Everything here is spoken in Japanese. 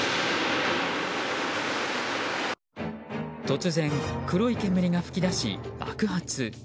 突然、黒い煙が噴き出し爆発。